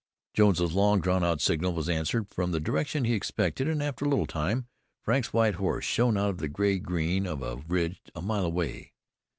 Jones's long drawn out signal was answered from the direction he expected, and after a little time, Frank's white horse shone out of the gray green of a ledge a mile away.